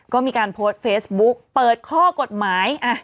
ก็มีการโพสต์เฟซบุ๊กเปิดข้อกฎหมาย